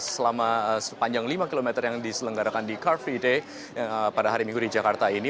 selama sepanjang lima km yang diselenggarakan di car free day pada hari minggu di jakarta ini